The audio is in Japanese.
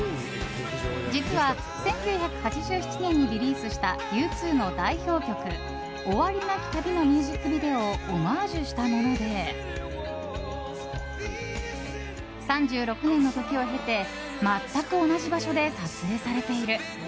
実は１９８７年にリリースしたＵ２の代表曲「終りなき旅」のミュージックビデオをオマージュしたもので３６年の時を経て全く同じ場所で撮影されている。